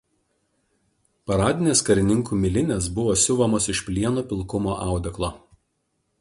Paradinės karininkų milinės buvo siuvamos iš plieno pilkumo audeklo.